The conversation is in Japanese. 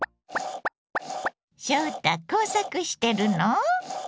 翔太工作してるの？